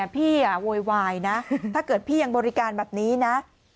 โวยวายนะถ้าเกิดพี่ยังบริการแบบนี้นะ